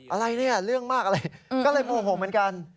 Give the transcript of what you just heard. อะไรเนี่ยเรื่องมากอะไรก็เลยโมโหเหมือนกัน